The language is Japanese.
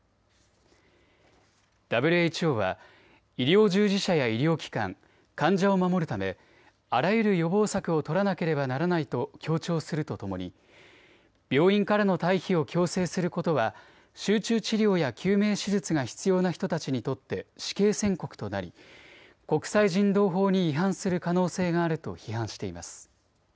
ＷＨＯは医療従事者や医療機関、患者を守るためあらゆる予防策を取らなければならないと強調するとともに病院からの退避を強制することは集中治療や救命手術が必要な人たちにとって死刑宣告となり国際人道法に違反する可能性があると批判しています。